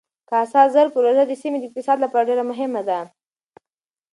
کاسا زر پروژه د سیمې د اقتصاد لپاره ډېره مهمه ده.